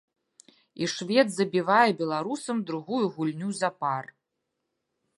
І швед забівае беларусам другую гульню запар.